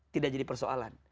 tidak jadi persoalan